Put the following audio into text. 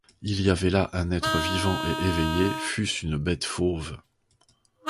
Il y avait là un être vivant et éveillé, fût-ce une bête fauve.